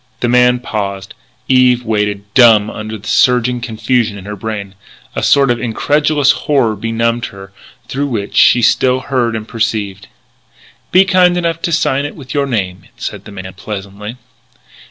The man paused: Eve waited, dumb under the surging confusion in her brain. A sort of incredulous horror benumbed her, through which she still heard and perceived. "Be kind enough to sign it with your name," said the man pleasantly.